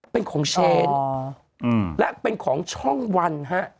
เป็นของเชนและเป็นของช่องวันฮะ